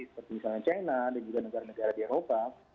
seperti misalnya china dan juga negara negara di eropa